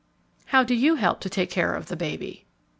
_ _How do you help to take care of the baby?